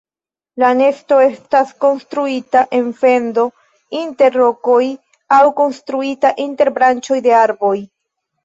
La nesto estas konstruita en fendo inter rokoj aŭ konstruita inter branĉoj de arboj.